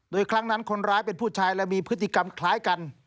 โดยครั้งนั้นคนร้ายเป็นผู้ชายและมีพฤติกรรมคล้ายกัน